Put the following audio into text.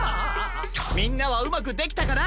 みんなはうまくできたかな？